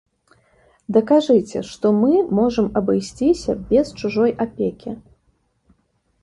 Дакажыце, што мы можам абысціся без чужой апекі.